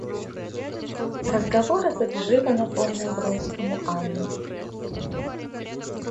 Разговор этот живо напомнил Вронскому Анну.